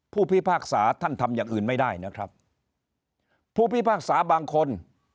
พิพากษาท่านทำอย่างอื่นไม่ได้นะครับผู้พิพากษาบางคน